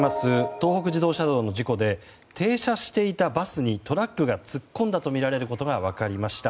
東北自動車道の事故で停車していたバスにトラックが突っ込んだとみられることが分かりました。